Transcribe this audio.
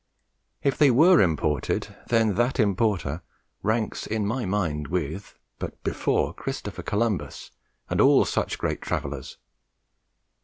If they were imported, then that importer ranks in my mind with, but before, Christopher Columbus and all such travellers.